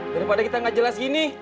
daripada kita gak jelas gini